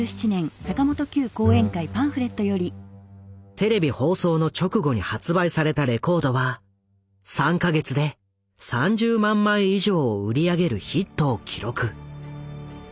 テレビ放送の直後に発売されたレコードは３か月で３０万枚以上を売り上げるヒットを記録。